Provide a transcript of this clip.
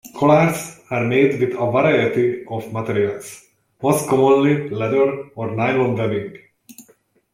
Collars are made with a variety of materials, most commonly leather or nylon webbing.